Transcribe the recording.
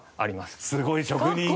すごい！職人。